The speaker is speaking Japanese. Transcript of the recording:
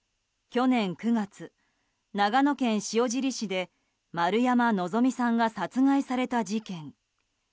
去年９月、長野県塩尻市で丸山希美さんが殺害された事件。